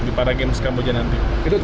di paragames kamboja nanti